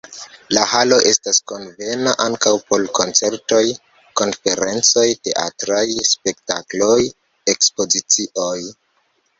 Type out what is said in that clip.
La halo estas konvena ankaŭ por koncertoj, konferencoj, teatraj spektakloj, ekspozicioj.